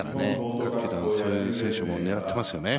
各球団、そういう選手も狙っていますよね。